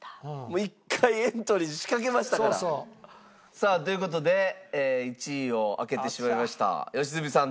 さあという事で１位を開けてしまいました良純さん